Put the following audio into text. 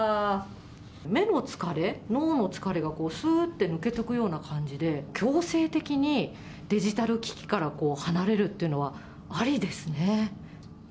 目の疲れ、脳の疲れがすーって抜けてくような感じで、強制的にデジタル機器から離れるっていうのはありですね。